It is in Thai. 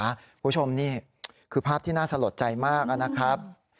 คุณผู้ชมนี่คือภาพที่น่าสลดใจมากนะครับ